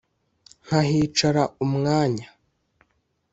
nkahicara umwanya.